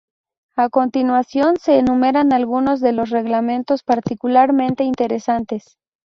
A continuación, se enumeran algunos de los reglamentos particularmente interesantes.